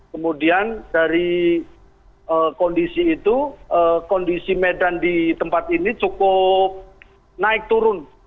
kemudian dari kondisi itu kondisi medan di tempat ini cukup naik turun